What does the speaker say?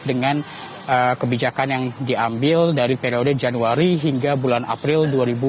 dengan kebijakan yang diambil dari periode januari hingga bulan april dua ribu dua puluh